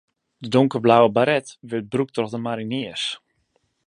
De donkerblauwe baret wurdt brûkt troch de mariniers.